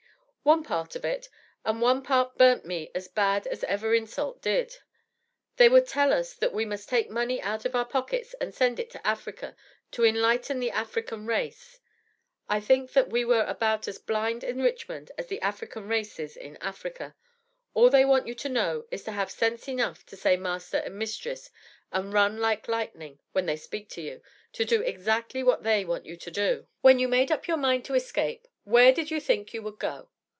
"One part of it, and one part burnt me as bad as ever insult did. They would tell us that we must take money out of our pockets to send it to Africa, to enlighten the African race. I think that we were about as blind in Richmond as the African race is in Africa. All they want you to know, is to have sense enough to say master and mistress, and run like lightning, when they speak to you, to do exactly what they want you to do," "When you made up your mind to escape, where did you think you would go to?"